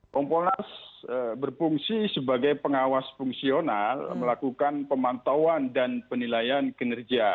kompolnas berfungsi sebagai pengawas fungsional melakukan pemantauan dan penilaian kinerja